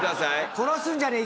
殺すんじゃねえ。